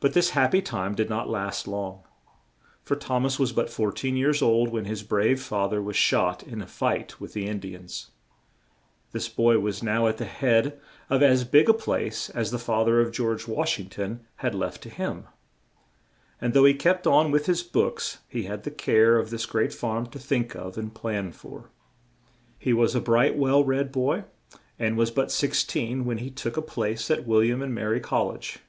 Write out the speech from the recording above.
But this hap py time did not last long, for Thom as was but four teen years old when his brave fa ther was shot in a fight with the In di ans. This boy was now at the head of as big a place as the fa ther of George Wash ing ton had left to him, and though he kept on with his books he had the care of this great farm to think of and plan for. He was a bright, well read boy; and was but six teen when he took a place at Wil liam and Ma ry Col lege.